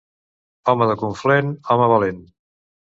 Home de Conflent, home valent.